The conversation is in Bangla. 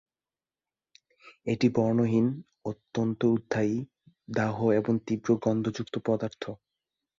এটি বর্ণহীন, অত্যন্ত উদ্বায়ী, দাহ্য এবং তীব্র গন্ধযুক্ত পদার্থ।